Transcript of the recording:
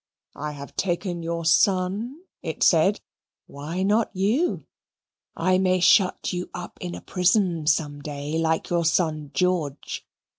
"I have taken your son," it said, "why not you? I may shut you up in a prison some day like your son George.